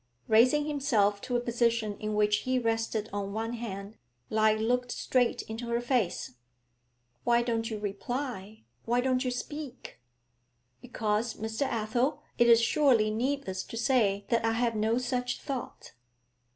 Raising himself to a position in which he rested on one hand, he looked straight into her face. 'Why don't you reply? Why don't you speak?' 'Because, Mr. Athel, it is surely needless to say that I have no such thought.'